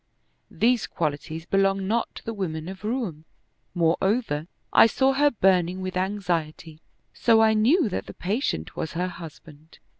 These qualities belong not to the women of Roum; moreover, I saw her burning with anxiety ; so I knew that the patient was her husband.